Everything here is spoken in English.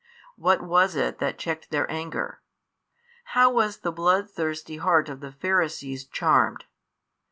what was it that checked their anger? how was the bloodthirsty heart of the Pharisees charmed?